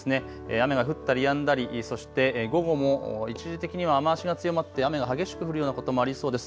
雨が降ったり、やんだり、そして午後も一時的には雨足が強まって雨が激しく降るようなこともありそうです。